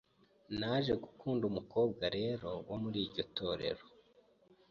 Naje gukunda umukobwa rero wo muri iryo torero